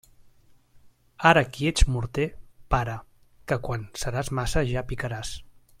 Ara qui ets morter, para; que quan seràs maça ja picaràs.